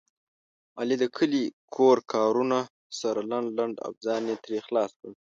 علي د کلي کور کارونه سره لنډ بنډ او ځان یې ترې خلاص کړ.